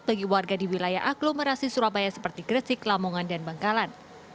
bagi warga di wilayah aglomerasi surabaya seperti gresik lamongan dan bangkalan